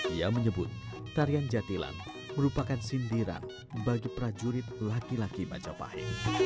dia menyebut tarian jatilan merupakan sindiran bagi prajurit laki laki baja pahing